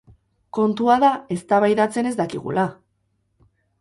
Kontua da eztabaidatzen ez dakigula!